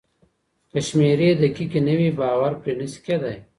که شمېرې دقيقې نه وي باور پرې نسي کيدای.